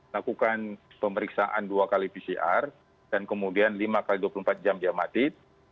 lakukan pemeriksaan dua kali pcr dan kemudian lima kali dua puluh empat jam diamatit